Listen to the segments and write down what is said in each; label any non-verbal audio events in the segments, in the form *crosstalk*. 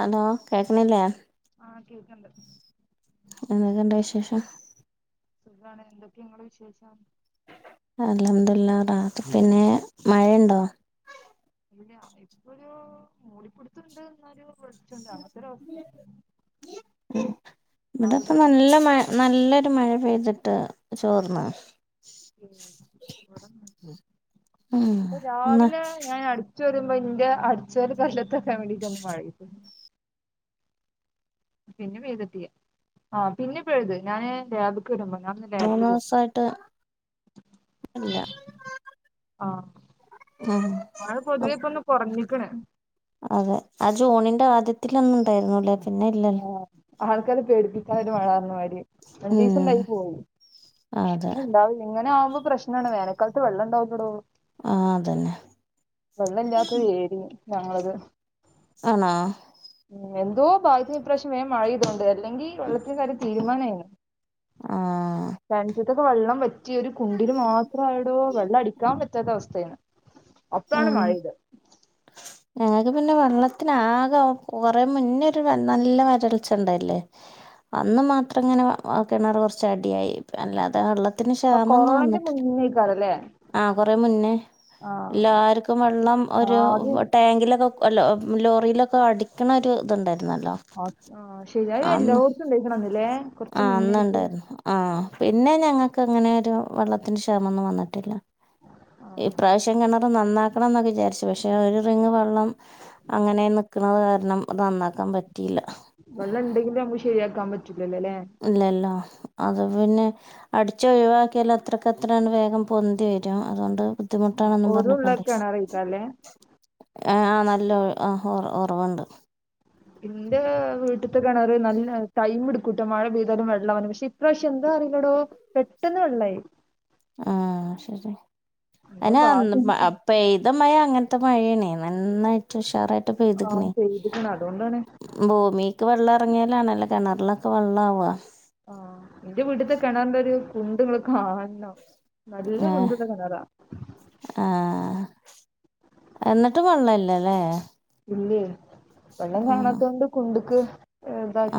Hello കേക്ക്‌ണില്ലേ ആ കേക്ക്‌ണ്ട് എന്തൊക്കെണ്ട് വിശേഷം സുഖാണ് എന്തൊക്കെ ങ്ങളെ വിശേഷം അൽഹം ദുല്ലില്ലാ റാഹതന്നെ മഴയ്ണ്ടോ *unintelligible* ഇപ്പൊരു മൂടിപ്പിടുത്തുണ്ട് എന്നാലും *unintelligible* അങ്ങനെത്തൊരു അവസ്ഥയാ ഉം ഇവിടെ ഇപ്പ നല്ല മഴ നല്ലൊരു മഴ പെയ്തിട്ട് ചോർന്ന് ഇവിടൊന്നുല്ല ഉം എന്നാ *unintelligible* ന്റെ അടിച്ചേല് *unintelligible* വേണ്ടിട്ട് ഒന്ന് മഴ പെയ്ത് പിന്നെ വീടെത്തിയെ ആ പിന്നെ പെയ്ത് ഞാന് ലാബ്ക്ക് വരുമ്പോ ഞാനിന്ന് ലാബില് മൂന്നു പോവും ദിവസായിട്ട് ഇല്ല ആഹ് ഉം മഴ പൊതുവെ ഇപ്പൊന്ന് *unintelligible* കൊറഞ്ഞിക്ക്ണ് അതെ അടുത് ജൂണിന്റെ ആദ്യത്തിലൊന്നും ഉണ്ടായിരുന്നുല്ലേ പിന്നെ ഇല്ലല്ലോ ആഹ് ആൾക്കാരെ പേടിപ്പിച്ച് അങ്ങനൊരു മഴ വന്ന മാതിരി, ഉം രണ്ടീസം പെയ്ത് പോയി, അതെ ഇനി ഇണ്ടാവില്ല ഇങ്ങനാവൂ ഇപ്പ പ്രശ്നമാണ് വേനക്കാലത്ത് വെള്ളണ്ടാവൂലെടോ ആ അതന്നെ വെള്ളല്ലാത്ത ഒരു ഏരിയേം ഞങ്ങളത് ആണോ എന്തോ ഭാഗ്യത്തിന് ഇപ്രാശ്യം വേം മഴ പെയ്തൊണ്ട് അല്ലെങ്കി വെള്ളത്തിൻ്റെ കാര്യം തീരുമാനമായിന് ആ തനിച്ചത്തൊക്കെ വെള്ളം വറ്റ് പറ്റിയ ഒരു കുണ്ടില് മാത്രം ആയിടോ വെള്ളം അടിക്കാൻ പറ്റാത്ത അവസ്ഥയായിണ് അപ്പാണ് മഴ പെയ്തേ ഞങ്ങക്ക് പിന്നെ വെള്ളത്തിനാകെ കൊറേ മുന്നേ ഒരു നല്ല വരൾച്ച ഉണ്ടായില്ലേ അന്ന് മാത്രം ഇങ്ങനെ കിണർ കുറച്ച് അടിയായി അല്ലാതെ വെള്ള ള്ളത്തിന് ആ ക്ഷാമൊന്നും കൊറോണന്റെ വന്നിട്ടില്ല മുന്നേക്കാരല്ലേ ആ കൊറേ മുന്നേ ആഹ് എല്ലാവർക്കും വെള്ളം ഒരു ആഹ് അത് വ ടാങ്കിലൊക്കെ വ അല്ലോ ലോറിയിലൊക്കെ അടിക്കണ ഒരു ഇതുണ്ടായിരുന്നു ന്നല്ലോ ആഹ് ശരിയാ അത് ആന്നു എല്ലോടത്തും ഉണ്ടായിക്കണന്നില്ലേ കൊറച്ച് ആ മുന്നായിട്ട് അന്നുണ്ടായിരുന്നു ആഹ് പിന്നെ ഞങ്ങൾക്ക് അങ്ങനെ ഒരു വെള്ളത്തിന് ക്ഷാമൊന്നും വന്നിട്ടില്ല ഈ ആഹ് പ്രാവശ്യം ശം കിണർ നന്നാക്കണന്നൊക്കെ വിചാരിച്ചു പക്ഷെ ഒരു റിംങ് വെള്ളം അങ്ങനെ നിക്കണത് കാരണം ന നന്നാക്കാൻ പറ്റു വെള്ളം ഇണ്ടെങ്കിൽ നമ്മക്ക് ശരിയാക്കാൻ പറ്റു ഇല്ലല്ലോ അത് പിന്നെ അടിച്ച് ഒഴിവാക്കിയാൽ അത്രക്കത്രയാണ് വേഗം പൊന്തി വരും അതുകൊണ്ട് ആഹ് ബുദ്ധിമുട്ടാണൊന്നും ഓരോ ഉള്ള പറഞ്ഞക്കണ്ടേ കിണറേക്കാരല്ലേ ആ ആ നല്ല ഒ അ ഒറവുണ്ട് ഇന്റെ വീട്ട്ത്തെ കിണറ് നല്ല ടൈം എടുക്കൂട്ടോ മഴ പെയ്താലും വെള്ള ആവാൻ പക്ഷെ ഇപ്രാവശ്യം എന്താ അറിയില്ലടോ പെട്ടെന്ന് വെള്ളായി ആ ശരി എന്തോ അയിന് അന്ന് ഭാഗ്യം പെയ്ത മഴ അങ്ങനത്തെ നത്തെ മഴ ആണെ നന്നായിട്ട് ഉഷാറായിട്ട് ടെ ആ പെയ്ത്ക്ണെ പെയ്ത്ക്ക്ണ് അതോണ്ടാണ് ഭൂമിക്ക് വെള്ളം എർങ്ങിയാലാണല്ലോ കെണർല വെള്ളാവ ആഹ് ഇന്റെ വീട്ട്ത്തെ കെണറിന്റെ ഒരു കുണ്ട് ങ്ങള് കാണം നല്ല ഏ, കുണ്ട്ള്ള കെണറാ ആ എന്നിട്ടും വെള്ളല്ലല്ലേ? ഇല്ലേ വെള്ളം കാണാത്തൊണ്ട് കുണ്ടുക്ക്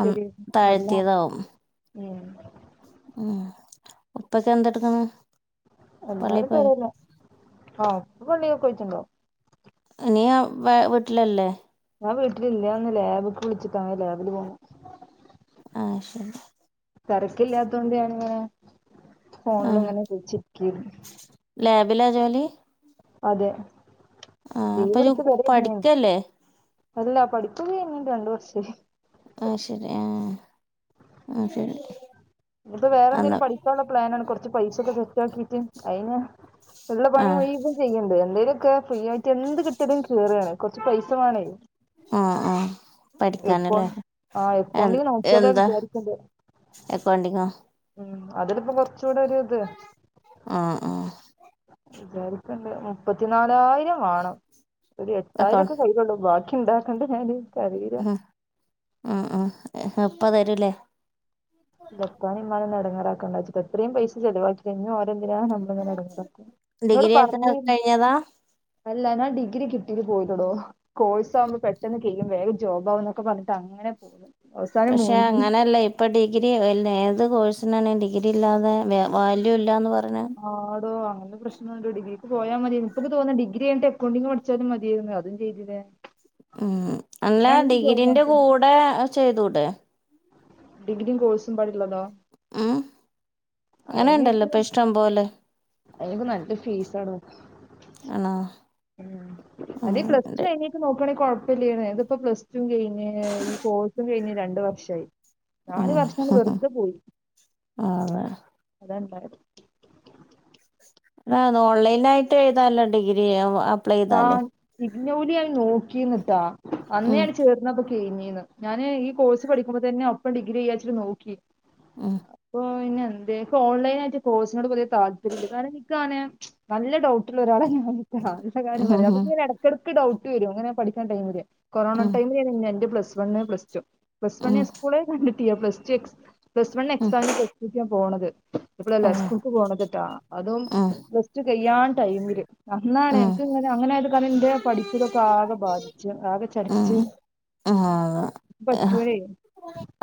അന്ന് അല്ല താഴ്ത്തിയതാവും ഉം ഉം ഉപ്പക്കെ എന്താട്ക്ക്ണ്? എല്ലാരും പേരെലാ ആഹ് ഉപ്പ പള്ളിക്കക്ക് പൊയ്റ്റ്ണ്ടാവും നീ അ വീട്ട്ലല്ലേ? ഞാൻ വീട്ട്ലില്ലന്ന് ലാബ്ക്ക് വിൾച്ച്ക്ക്ന് ലാബില് പോന്നു ആഹ് ശെരി തിരക്കില്ലാതോണ്ട് ഞാനിങ്ങനെ ആഹ് ഫോണ്ല്ങ്ങനെ കളിചിരിക്കേണ്. ഫിലാ ജോലി? അതെ ആഹ് അപ്പൊ ഇയ്യ് ലീവിടുത്ത് വെരേര്ന്ന് പഠിക്കല്ലേ അല്ല പഠിപ്പൊക്കെ കൈഞ്ഞിട്ട് രണ്ട് വർഷേയി. ആഹ് ശരി ആഹ് ആഹ് ശരി ഇപ്പൊ വേറെ അന്ന് എന്തെങ്കിലും പഠിക്കാനുള്ള പ്ലാനാണ്. കുറച്ച് പൈസൊക്കെ സെറ്റ് ആക്കിട്ട് അയിന് ള്ള പണി ആഹ് മുയ് വൻ ചെയ്യണ്ട്. എന്തേലുമൊക്കെ ഫ്രീ ആയിട്ട് എന്ത് കിട്ട്യലും കേറാണ്. കൊർച്ച് പൈസ വേണേ ആഹ് ആഹ് എക്കോ പഠിക്കാനല്ലേ ആഹ് എ എക്കോണ്ട്ല് നോക്കിയാലോ എന്താ വിചാരിക്ണ്ടേ അക്കൗണ്ടിങ്ങോ ഉം അതില് പ്പോ കൊർചൂടെ ഒരു ഇത് ആഹ് ആഹ് വിചാരിക്കണ്ട് മുപ്പത്തിനാലായിരം വാണം. ഒരു എട്ടായിരംഒക്കെ അക്കൗണ്ട് കൈലുള്ളൂ. ബാക്കി ണ്ടാക്കണ്ടെ ഞാന്. എനിക്കറിയില്ല ഹ്ഹ് ഉം ഉം ഹ് പ്പ തരൂല്ലേ? പ്പാനിം മ്മനിം ഒന്ന് ടങ്ങാറാക്കാണ്ടച്ചിട്ട എത്രയും പൈസ ചെലവാക്കിക്കഴിഞ്ഞു. ഞ് ഓ തെന്തിനാ നമ്മൾങ്ങനെ എടങ്ങറാക്കാ ന്നോട് ഡിഗ്രി ഒക്കെ പർഞ് കഴിഞ്ഞതാ അല്ല ഞാൻ ഡിഗ്രി കിട്ടീട്ട് പോയിലടോ. കോഴ്സ് ആവുമ്പ പെട്ടെന്ന് ചെയ്യും വേഗം ജോബാ ഒന്നൊക്കെ പർഞ്ഞിട്ട് ങ്ങനെ പോകും പക്ഷെ അങ്ങനെയല്ല ഇപ്പ ഡിഗ്രി രി ഒൽ ഏത് കോഴ്സിനാണെ ഡിഗ്രി ഇല്ലാതെ വേ വാല്യൂ ഇല്ലാന്ന് പർ ആടോ അഹ് അന്ന് പ്രശ്നംണ്ട് ഡിഗ്രിക്ക് പോയാ മതിയേര്ന്ന് ഇപ്പക്ക് തോന്ന ഡിഗ്രി കൈഞ്ഞിട്ട് അക്കൗണ്ടിംങ് പഠിച്ചാലും മതിയായിരുന്നു. അതും ചെയ്തില്ല. ഉം അല്ല ഡിഗ്രീന്റെ കൂടെ ചെയ്തൂടേ? ഡിഗ്രിം കോഴ്സും മ്പാടിള്ളതോ ഉം അങ്ങനെണ്ടല്ലോ ഇപ്പ ഇഷ്ടം പോലെ അതിനോക്കെ നല്ല ഫീസാണ് ആണോ ഉം അതെ പ്ലസ് ടു ആഹ് കഴിഞ്ഞിട്ട് നോക്കുയാണെങ്കിൽ കൊ - പ്പ യില്ലെന്നു ഇതിപ്പോ പ്ലസ് കഴിഞ്ഞ് ഈ കോഴ്സും കഴിഞ്ഞ് രണ്ടു വർഷമായി നാല് ഉം വർഷം അങ്ങട് വെറുതെ പോയി അതെ അതാണ്ടായെ ആ ഓൺലൈൻ ആയിട്ട് എഴുതാലോ ഡിഗ്രി അപ്ലൈ ചെയ്താല് ജോലി ഞാൻ നോക്കിരിന്ന് ട്ടോ അന്ന് ഉം ഞാൻ ചേർന്നപ്പോ- കൈഞ്ഞീ ന്ന് ഞാന് ഈ കോഴ്സ് പഠിക്കുമ്പോ തന്നെ ഒപ്പം ഡിഗ്രി ചെയ്യാച്ച്ട്ട് നോക്കി ആ ഇപ്പൊ പിന്നെ എന്തെക്ക് ഓൺലൈൻ ആയിട്ട് കോഴ്സിനോട്വല്യ താല്പര്യമില്ല കാരണം നിക്കാണെ നല്ല ഡൗട്ടുള്ള ഒരാള ഞാൻ എല്ല കാര്യം ഉം പറയാം ഉം അപ്പൊങ്ങെ ഇടക്കട ക്ക് ഡൗട്ട് വരും അങ്ങനെ പഠിക്കുന്ന ടൈമില് കൊറോണ ഉം ടൈമ എന്റെ പ്ലസ് വണ് പ്ലസ്ടു പ്ലസ് ഉം വണ് സ്കൂളേ കണ്ടിട്ടില്ല പ്ലസ് ടു എക്സ് പ്ലസ് വൺ ഉം എക്സാമിന് പ്ലസ് ടുക്ക പോണത് ഇപ്പളല്ല. ഓ സ്കൂക്ക് പോണത്ട്ടാ. അതും ഉം പ്ലസ് റ്റു കയ്യാൻ ടൈമില്. അന്നാണ് ഉം അങ്ങനെ ആയത് കാരണം ന്റെ പഠിപ്പ്തൊക്ക ആകെ ബാധി ച്ച് ആകെ ഉം ചടച്ച് ആഹ് പറ്റു രേ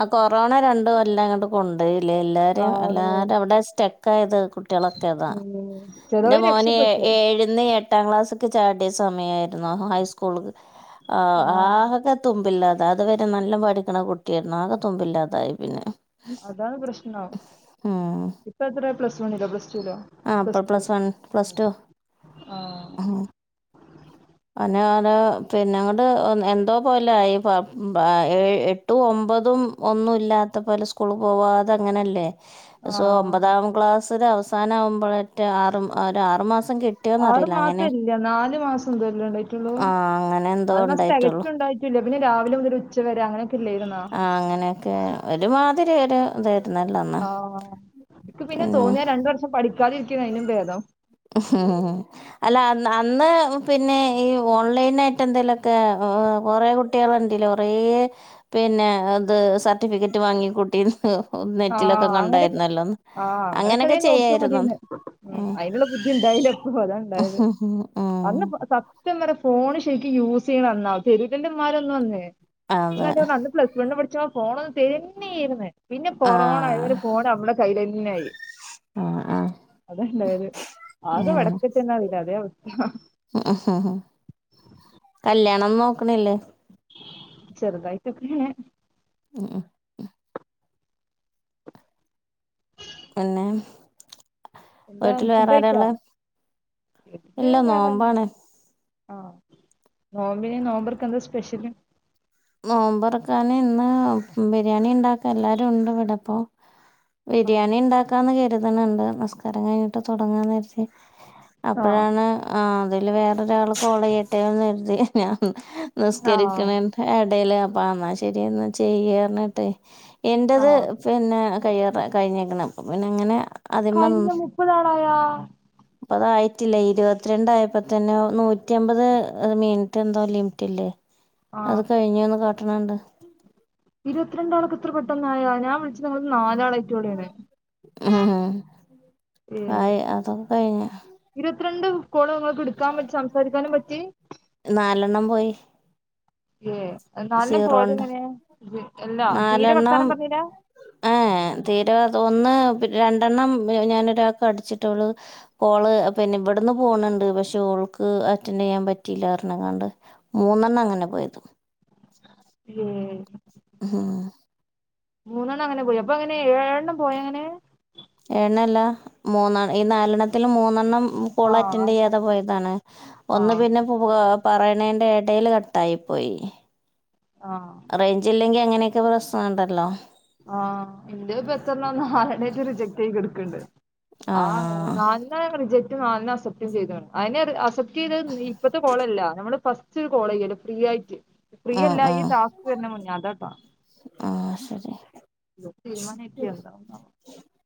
ആ കൊറോണ രണ്ടു കൊല്ല അങ്ങട്ട് കൊണ്ടോയി ല്ലേ എല്ലാരേം ആടോ എല്ലാരും അവിടെ സ്റ്റെക്കായത് കുട്ട്യോളൊക്കതാ ഉം ന്റെ ചെലോര് മോന് രക്ഷപ്പെട്ട് ഏഴ്ന്ന് എട്ടാം ക്ലാസ്സ്ക്ക്‌ ചാട്യ സമയായിര് യിരന്നു ഹയ്സ്കൂൾക്ക്‌ ആഹ് ആകെ തുമ്പില്ലാ അത് വരെ നല്ലം പഠിക്ക്‌ണ കുട്ട്യേര്ന്നു ആകെ തുമ്പില്ലാതായി പിന്നെ അതാണ് പ്രശ്നം ഉം ഇപ്പെ ത്ത്രേ പ്ലസ് വണ്ണിലോ പ്ലസ് ടുലോ ആഹ് പ്പൊ two plus one plus two ആ ഉം ആനേ *unintelligible* *unintelligible* ആ പിന്നെ ങ്ങട്ട് എന്തോ പോല ആയി പ്പൊ എ ഏഴ് എട്ടും ഒമ്പതും ഒന്നു ന്നുല്ലാത്ത പോല സ്കൂള് പോവാതെ അങ്ങനല്ലേ ആ സോ ഒമ്പതാം ക്ലാസ്സില് അവസാന ആവുമ്പോഴെറ്റ ആറ് ഒരാറുമാസ് ആറു മാസ ഇല്ല നാല് മാസം ന്തോ അല്ലേ ള്ളായ്റ്റ്ള്ളൂ ആ അങ്ങനെ എന്തോ അവ്ന്നാസ് ഉണ്ടായിട്ടുള്ളൂ തെകച്ചുണ്ടൊ റ്റില്ല പിന്ന രാവില മുതല് ഉച്ച വരെ അങ്ങനൊ ആഹ് അങ്ങനൊക്കെ ഒരുമാതിരി ഒരു താര് ആഹ് ഇക്ക് പിന്നെ തോന്നി രണ്ട് വർഷം പഠിക്കാതിരിക്ക്‌ന്ന അയ്നും ഭേദം അല്ല അന്ന് പിന്നെ ഈ ഓൺലൈൻ ആയ്റ്റ് എന്തെലൊക്കെ കൊറേ കുട്ട്യാള് ണ്ടില്ലേ കൊറേ പിന്നെ ഇത് സർട്ടിഫിക്കറ്റ് വാങ്ങി കുട്ടിണ് ആ നെറ്റിലൊക്കെ അങ്ങനെയൊക്കെ കണ്ടായിര്ന്നല്ലോ ആ അങ്ങനൊക്ക ചെയ്യാര്ന്ന് ഉം ള്ള ബുദ്ധി ണ്ടായീല പ്പൊ അതാ ണ്ടായത് ഉം അന്ന് സത്ത്യം പറയാ ഫോണ് ശ് രിക്ക് യൂസെയ്യ്ണ അന്നാ തരില്ലല്ലോമ്മാരൊന്നു അന്ന് അതെ *unintelligible* അന്ന് പ്ലസ് വണ് പ ച്ച ഫോണൊന്നു തെരെന്നെയ്യ്ര്ന്ന് പിന്ന ആ കൊറോണ ആയ് ഒരു ഫോൺ നമ്മടെ കയ്യിലെന്നെ ആയി ആ ആ അതല്ല വര് ആക വ്ടക്ക്‌ തന്ന *unintelligible* അതെ അവസ് ഉം കല്യാണം നോക്ക്‌ണില്ലേ ചെറ്തായ്ട്ട് ഉം പിന്നേ എന്താ ഫുഡ്ഡയ്ച്ചോ ഇല്ല നോമ്പാണ് ആഹ് നോമ്പിന് നോമ്പർക്കന്താ സ്പെഷ്യല് നോമ്പറക്കാന് ഇന്ന് ബിരിയാണി ണ്ടാക്കാ എല്ലാരു ഉണ്ട് വ്ടപ്പോ ആ ബിരിയാണി ണ്ടാക്കാന്ന് കര്ത്ണ് ണ്ട് നിസ്കാരം കയിഞ്ഞിട്ട് തുടങ്ങാന്ന് കര്തി ആ അപ്പൊഴാണ് ആ തില് വേറൊരാൾ കോളെയ്യട്ടെന്ന് ര്തി ഞാൻ ആ നിസ്കരിക്ക്‌ണെ എടേല് അപ്പ ന്നാ ശരി എന്നാ ചെയ്യാർഞ്ഞ്ട്ട് ആ എന്റത് പിന്നെ കയ്യാറ കയ്ഞ്ഞിക്ക്‌ണ് അപ്പ പിന്നെ അങ്ങനെ അതിമ്മ കയ്ഞ്ഞ മുപ്പതാടായാ പ്പതായിറ്റില്ല ഇരുവത്ത്രണ്ടായപ്പൊ ത്തന്നെ നൂറ്റി അമ്പത് മിൻറ്റ് എന്തോ ലിംറ്റ് ഇല്ലേ ആ അത് കഴിഞ്ഞ്ന്ന് ന്ന് കാട്ട്ണ് ണ്ട് ത്തൊന്നായൊ ഞാ വിൾച്ച് *unintelligible* ആഹ് ഏ ആയി അതൊക് കഴിഞ്ഞ് ത്രണ്ട് കോള് ങ്ങക്ക് എടുക്കാൻ പച്ച് സംസാരിക്കാനും പറ്റി ണ്ണം പോയി ഏ നാലെണ്ണം പോയത് സീറോണ്ട് എങ്ങനെ എല്ലാ തീരെ നാലെണ്ണം വർത്താനം പർഞ്ഞീലാ റ്റാ ത് ഒന്ന് രണ്ടെണ്ണം ഞാന് ഒരാക്ക്‌ അട്ച്ചിട്ടെള്ളു കോള് പിന്നെ വ്ട്ന്ന് പൊ പോനണ് ണ്ട് പക്ഷെ ഓൾക്ക് അറ്റൻഡെയ്യാൻ പറ്റില്ലാർഞ്ഞ്ങ്ങാണ്ട് മൂന്നെണ്ണം അങ്ങനെ പോയത് ഉം ആഹ് മൂന്നെണ്ണം അങ്ങനെ പോയി അപ്പൊ അങ്ങനെ ഏഴെണ്ണം പോയങ്ങനെ മൂന്ന് ഈ നാലണത്തിൽ മൂന്നെണ്ണം സ്കൂൾ ആഹ് അറ്റൻഡ് അങ്ങനെ ചെയ്യാതെ പോയതാണ് ഒന്ന് ആഹ് പിന്നെ പറയണേണ്ടേ ഇടൽ കട്ടായി പോയി ആഹ് റേഞ്ച് ഇല്ലെങ്കി അങ്ങനെയൊക്കെ പ്രശ്നണ്ടല്ലോ ആഹ് എന്റെ ആ മന്നാലണ്ണം റിജക്റ്റ് ആയി നാലിന് അസപ്റ്റ ചെയ്ത അതിനെ അസപ്റ്റ് ചെയ്തത് ഇപ്പത്തെ കോളല്ല നമ്മള് ഫസ്റ്റ് ഒരു കോള് ചെയ്യല്ല ഫ്രീ ആയിട്ട് ഫ്രീ ഉം, അല്ല ഈ ഉം. ടാസ്ക് തന്നെ മുന്നാതട്ടാ ആ ശരി *inaudible*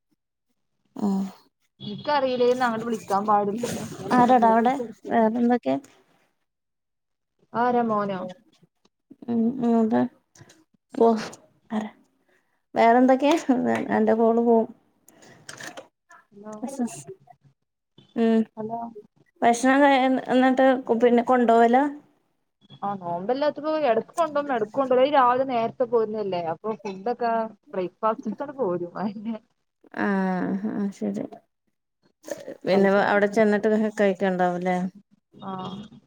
ആഹ് എനിക്കറിയില്ലേന്ന് അങ്ങട്ട് വിളിക്കാൻ പാടില്ലാന്ന് ആരാടാ അവിടെ *inaudible* വേറെന്തൊക്കെയാ ആരാ മോനോ ഉം, ഉം അതെ ഓ പറ വേറെന്തൊക്കെയാ അതെ എന്റെ മോള് പോകും ഹലോ ഉം ഹലോ ഭക്ഷണം എന്ന് പറഞ്ഞാ - എന്നിട്ട് പിന്നെ കൊണ്ടോവില ആഹ് നോമ്പ് ഇല്ലാത്തപ്പോ എടക്ക് കൊണ്ടോവും എടക്ക് കൊണ്ടോവൂല ഈ രാവിലെ നേര- പോരുന്നതല്ലേ അപ്പൊ ഫുഡ്ക്കെ ബ്രേക്ക്ഫാസ്റ്റക്കെ എടുത്തോണ്ട് പോരും അ- ആഹ് ആഹ് ശരി പിന്നെ കഴിക്കലൊക്കെ അവിടെ നടക്കും ചെന്നിട്ട് കഴിക്കണ്ടാവുവോ ആ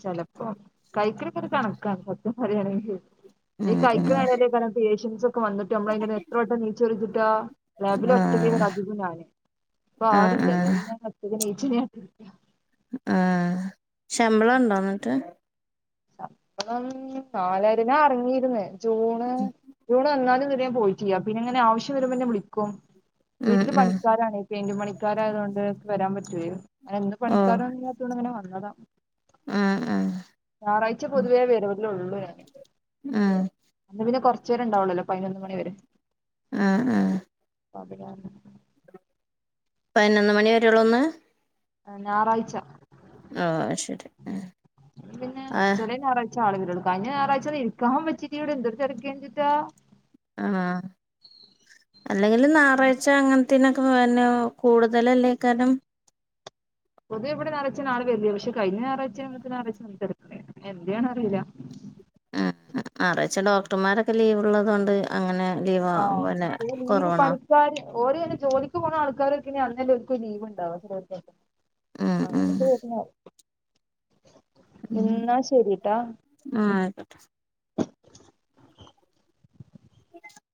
ചെലപ്പോ കഴിക്കലൊക്കെ ഇപ്പോ കണക്കാണ് സത്യം പറയാനിങ്കി- ഉ *inaudible* ഈ ഉം ഉം കഴിക്കനിടയിലെക്കെ ആണ് പേഷ്യൻസ് ഒക്കെ വന്നിട്ട് നമ്മള് എത്ര വട്ടം എണിച്ചു വന്നിട്ടാ *unintelligible* ലാബില് ഒറ്റക്ക് ആഹ് അതിനും ഞാന് ഇപ്പ ആരും ആഹ് ഇല്ല ഞാൻ ആഹ് *unintelligible* ആഹ് ശമ്പളം ഉണ്ടോ എന്നിട്ട് ശമ്പളം നാലായിരം എന്നാ അറിഞ്ഞിരുന്നെ ജൂണ് ജൂണ് വന്നാലും- പിന്നെ പോയിട്ടില്ല പിന്നെ അങ്ങനെ ആവശം വരുമ്പോ എന്നെ വിളിക്കും ഉം വീട്ടില് ഉം പണിക്കാരാണ് പെയിൻ്റ് പണിക്കാരായയതുകൊണ്ട് എനിക്ക് വരാൻ പറ്റൂലാരുന്നു അങ്ങനെ എന്ത് പണിക്കരാണ് എന്ന് ഓർത്ത് അങ്ങനെ വന്നതാ ങാ ങാ ഞായറാഴ്ച പൊതുവേ വരവില ഉള്ളൂരേ. ങാ പിന്നെ കൊറച്ചേരെ ഉണ്ടാവുള്ളല്ലോ പതിനൊന്ന് മണിവരെ. ങാ ങാ അപ്പോഅതുകരണം. പതിനൊന്ന് മണി വരെയുള്ളന്ന്. ആ ഞായറാഴ്ച. ആ ശരി ഹ് പിന്നെ ചെല ഞായറാഴ്ച ആളുകൾ. കഴിഞ്ഞ ഞായറാഴ്ച നിൽക്കാൻ പറ്റിട്ടീല ഇവിടെന്തൊരു തേരക്ക എന്തുട്ട. ആഹ് അല്ലെങ്കിൽ ഞായറാഴ്ച്ച അങ്ങനത്തിനൊക്കെ പിന്നെ കൂടുതലല്ലേ കാരണം പൊതുവേ ഇവിടെ നിറച്ച ആളുകള് വരില്ല പക്ഷെ കഴിഞ്ഞ നിറഴിച്ച അതിൻ്റെ ഞായറായിച്ച നല്ല തേരാക്കായിരുന്നു എന്ത്യന്നു അറിയില്ല. ഉ ഞാറയിച്ച ഡോക്ടർമാരൊക്കെ ലീവുള്ളത് കൊണ്ട് അങ്ങനെ. ലീവ് ആഹ പിന്നെ ലീവ് കുറവാണ് പണിക്കാര് ഓര് തന്നെ ജോലിക്ക് പോകണ ആൾക്കാര് അന്നേല്ല ഒൾക്കും ലീവ് ഉണ്ടാവാ ഉം *inaudible* ഉം അങ്ങന വരുന്നയാ. ഉം എന്നാ ശരിട്ടാ. ആഹ് *inaudible*